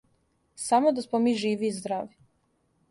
Само да смо ми живи и здрави.